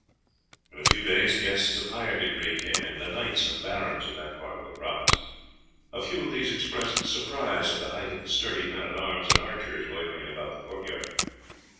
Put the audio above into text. In a few days guests of higher degree came in, the knights and barons of that part of the province; a few of these expressed surprise at the height of the sturdy men at arms and archers loitering about the court yard.